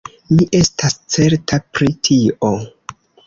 Mi estas certa pri tio.